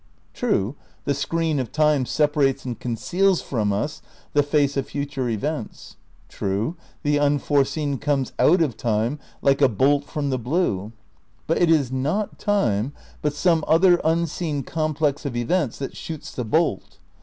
True, the screen of time separates and conceals from us the face of future events; true, the unforeseen comes out of time like a bolt from the blue ; but it is not time but some other unseen complex of events that shoots the bolt.